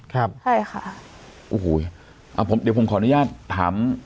ครับใช่ค่ะโอ้โหอ่าผมเดี๋ยวผมขออนุญาตถาม